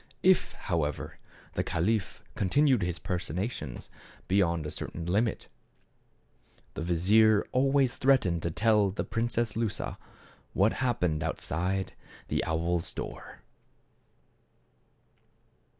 If, however, the caliph continued his personations beyond a certain limit the vizier always threatened to tell the Princess Lusa what happened outside the owl's door.